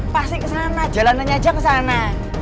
pasti kesana jalanannya aja kesana